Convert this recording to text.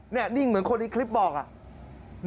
นี่นิ่งเหมือนคนในคลิปบอกอ่ะ